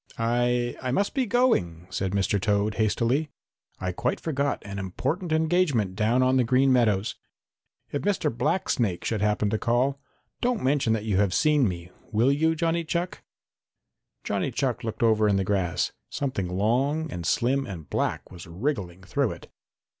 "I I must be going," said Mr. Toad hastily. "I quite forgot an important engagement down on the Green Meadows. If Mr. Blacksnake should happen to call, don't mention that you have seen me, will you, Johnny Chuck?" Johnny Chuck looked over in the grass. Something long and slim and black was wriggling through it.